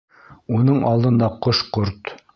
Уның алдында ҡош-ҡорт.